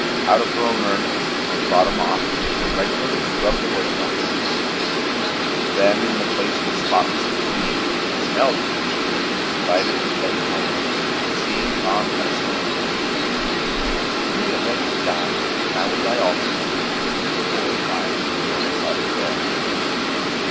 Out of her own earnings she bought a mop and regularly scrubbed the lawyer's office. Then when the place was spotlessly clean and smelled clean she lighted her clay pipe and she and Tom had a smoke together. "When you get ready to die then I will die also," she said to the boy lying on the floor beside her chair.